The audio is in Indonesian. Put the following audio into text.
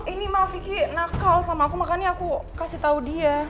ini maaf vicky nakal sama aku makanya aku kasih tau dia